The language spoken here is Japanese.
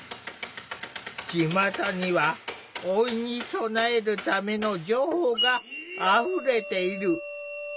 ちまたには老いに備えるための情報があふれている。